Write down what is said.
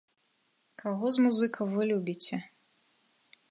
Каго з музыкаў вы любіце?